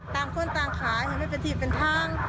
ตามคนตามขายให้มันเป็นทีเป็นทาง